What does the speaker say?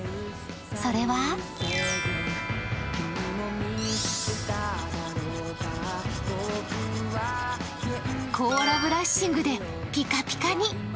それは甲羅ブラッシングでピカピカに。